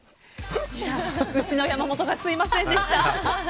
うちの山本がすみませんでした。